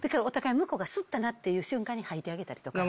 向こうが吸ったなっていう瞬間に吐いてあげたりとか。